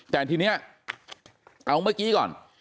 แต่ทีนี้เอาเมื่อกี้ก่อน